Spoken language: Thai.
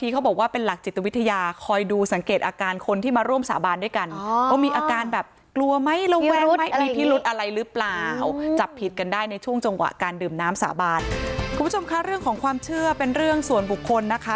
คุณผู้ชมคะเรื่องของความเชื่อเป็นเรื่องส่วนบุคคลนะคะ